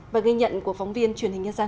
và ghi nhận của phóng viên truyền hình nhân dân